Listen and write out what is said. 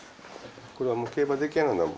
これはもう競馬できなんだもう。